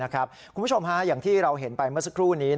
คุณผู้ชมอย่างที่เราเห็นไปเมื่อสักครู่นี้